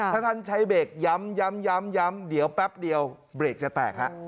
ถ้าท่านใช้เบรกย้ำเดี๋ยวแป๊บเดียวเบรกจะแตกฮะ